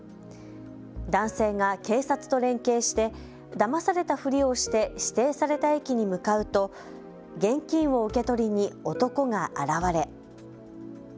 男性が警察と連携してだまされたふりをして指定された駅に向かうと現金を受け取りに男が現れ。